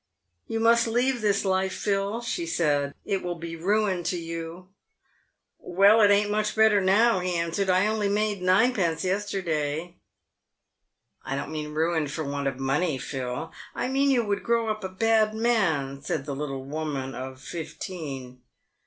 " Tou must leave this life, Phil," she said ;" it will be ruin to you." ""Well, it ain't much better now," he answered. "I only made ninepence yesterday." " I don't mean ruined for want of money, Phil ; I mean you would grow up a bad man," said the little woman of fifteen.